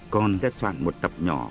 con đã soạn một tập nhỏ